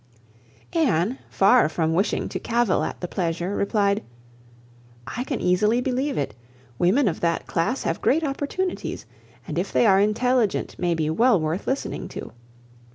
Anne, far from wishing to cavil at the pleasure, replied, "I can easily believe it. Women of that class have great opportunities, and if they are intelligent may be well worth listening to.